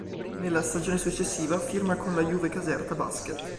Nella stagione successiva firma con la Juvecaserta Basket.